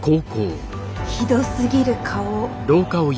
ひどすぎる顔。